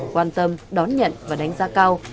quan tâm đón nhận và đánh giá cao